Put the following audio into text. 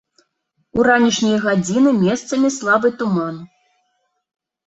У ранішнія гадзіны месцамі слабы туман.